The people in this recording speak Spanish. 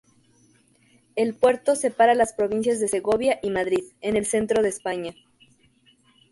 El puerto separa las provincias de Segovia y Madrid, en el centro de España.